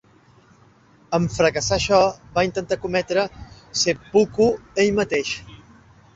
Em fracassar això, va intentar cometre "seppuku" ell mateix.